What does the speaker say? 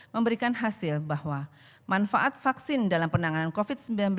memberikan hasil bahwa manfaat vaksin dalam penanganan covid sembilan belas